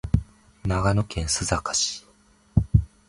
長野県須坂市